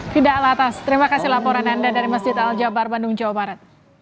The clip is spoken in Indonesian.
tidak latas terima kasih laporan anda dari masjid al jabar bandung jawa barat